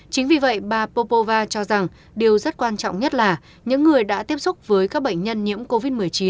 chính vì vậy bà popova cho rằng điều rất quan trọng nhất là những người đã tiếp xúc với các bệnh nhân nhiễm covid một mươi chín